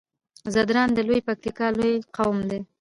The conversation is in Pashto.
ځدراڼ د لويې پکتيا لوی قوم دی